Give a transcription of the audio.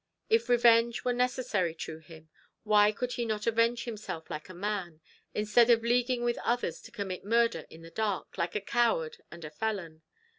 If revenge were necessary to him, why could he not avenge himself like a man, instead of leaguing with others to commit murder in the dark, like a coward and a felon?